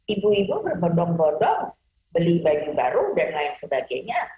ibu ibu berbondong bondong beli baju baru dan lain sebagainya